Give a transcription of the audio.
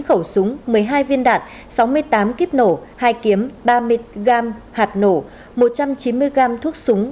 chín khẩu súng một mươi hai viên đạn sáu mươi tám kiếp nổ hai kiếm ba mươi gam hạt nổ một trăm chín mươi gam thuốc súng